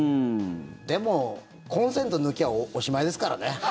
でも、コンセント抜きゃおしまいですからね。